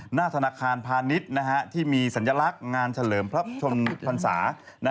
หน้าธนาคารพาณิชย์ที่มีสัญลักษณ์งานเฉลิมพระชนพรรษา